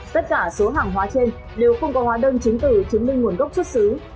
tất cả số hàng hóa trên nếu không có hóa đơn chính từ chứng minh nguồn gốc xuất xứ